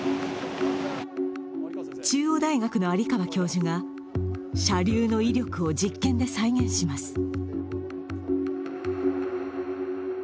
中央大学の有川教授が射流の威力を実験で再現します。